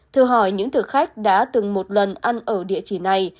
thư hỏi những thực khách đã từng một lần ăn ở địa chỉ này